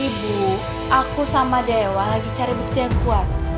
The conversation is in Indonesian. ibu aku sama dewa lagi cari bukti yang kuat